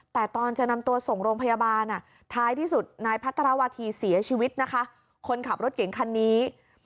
แต่ตอนจะนำตัวส่งโรงพยาบาลท้ายที่สุดนายพัทรวาธีเสียชีวิตนะคะคนขับรถเก่งคันนี้